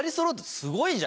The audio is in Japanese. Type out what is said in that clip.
すごい。